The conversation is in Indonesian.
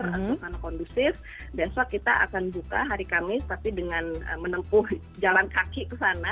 atau karena kondusif besok kita akan buka hari kamis tapi dengan menempuh jalan kaki ke sana